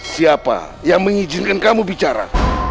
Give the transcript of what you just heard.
siapa yang mengizinkan kamu bicara